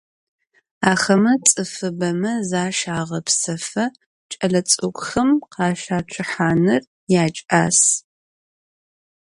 Axeme ts'ıfıbeme zaşağepsefı, ç'elets'ık'uxem khaşaççıhanır yaç'as.